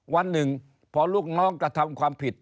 วันหนึ่งพอลูกน้องกระทำความผิด